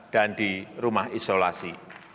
dan di rumah isolasi